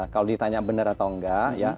kalau ditanya benar atau enggak ya